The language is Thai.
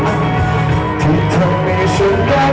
ขอบคุณทุกเรื่องราว